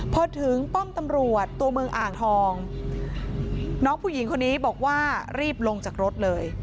พอถึงป้อมตำรวจตัวเมืองอ่างทองน้องผู้หญิงคนนี้บอกว่ารีบลงจากรถเลย